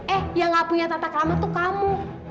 eh yang gak punya tatak lama tuh kamu